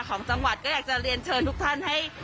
ของจังหวัดก็อยากจะเรียนเชิญทุกท่านให้